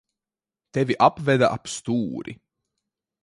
Tevi apveda ap stūri.